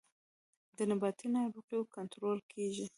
د نباتي ناروغیو کنټرول کیږي